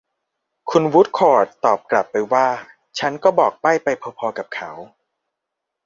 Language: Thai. คุณวูดคอร์ทตอบกลับไปว่า ฉันก็บอกใบ้ไปพอ ๆ กับเขา